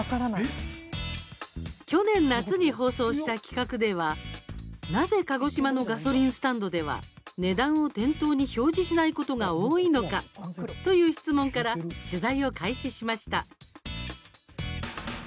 去年夏に放送した企画では、なぜ鹿児島のガソリンスタンドでは値段を店頭に表示しないことが多いのか？という質問から取材を開始しました。